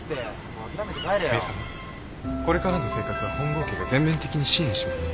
これからの生活は本郷家が全面的に支援します。